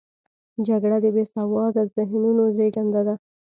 جګړه د بې سواده ذهنونو زیږنده ده